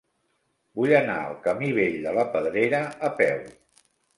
Vull anar al camí Vell de la Pedrera a peu.